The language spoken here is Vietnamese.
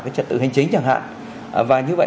cái trật tự hành chính chẳng hạn và như vậy